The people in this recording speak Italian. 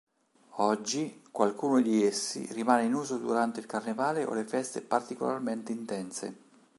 Oggi qualcuno di essi rimane in uso durante il Carnevale o feste particolarmente intense.